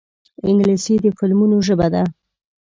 انګلیسي د فلمونو ژبه ده